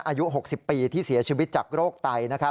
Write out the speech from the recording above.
อายุ๖๐ปีที่เสียชีวิตจากโรคไต